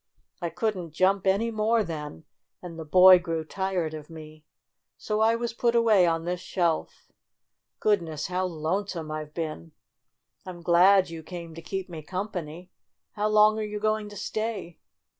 I couldn't jump any more then, and the boy grew tired of me. So I was put away on this shelf. Good THE BIRTHDAY PARTY 53 ness, how lonesome I've been! I'm glad you came to keep me company. How long are you going to stay?"